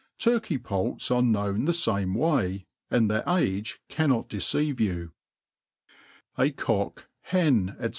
lukeypoulu are known the fame way, and their age cannot deoeive yopu A Cod, Hm^ lie.